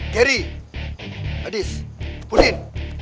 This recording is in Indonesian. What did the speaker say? geri adis pudin